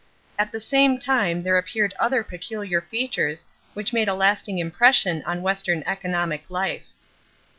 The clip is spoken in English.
At the same time there appeared other peculiar features which made a lasting impression on western economic life.